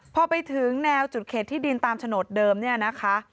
พอไปถึงแนวจุดเขตที่ดินตามโฉนดเดิมเนี่ยนะคะ